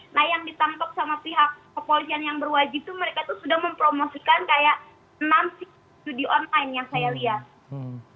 nah yang ditangkap sama pihak kepolisian yang berwajib itu mereka tuh sudah mempromosikan kayak enam judi online yang saya lihat